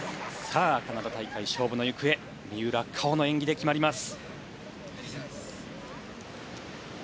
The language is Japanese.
カナダ大会、勝負の行方三浦佳生の演技で決まります。